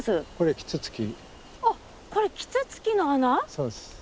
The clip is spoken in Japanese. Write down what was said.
そうです。